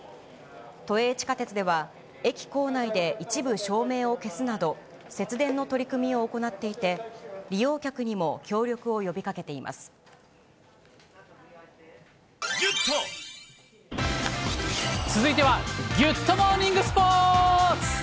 都営地下鉄では、駅構内で一部照明を消すなど、節電の取り組みを行っていて、利用客にも協力を呼びかけていま続いては、ギュッとモーニングスポーツ。